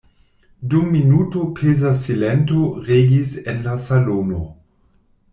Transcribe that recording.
Dum minuto peza silento regis en la salono.